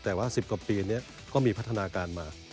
แต่ว่า๑๐กว่าปีนี้ก็มีพัฒนาการมา